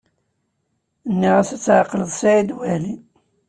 Nniɣ-as ad tɛeqleḍ Saɛid Waɛli.